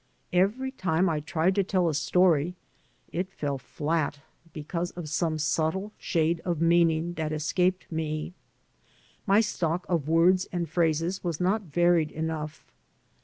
Every time I tried to tell a story it fell flat because of some subtle shade of meaning that escaped me. My stock of words and phrases was not varied enough.